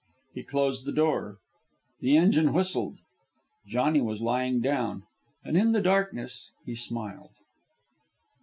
He closed the door. The engine whistled. Johnny was lying down, and in the darkness he smiled.